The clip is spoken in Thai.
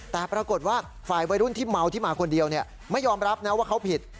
แต่ปรากฏว่าฝ่ายวัยรุ่นที่เมาที่มาคนเดียวไม่ยอมรับนะว่าเขาผิด